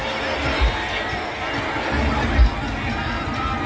มาแล้วครับพี่น้อง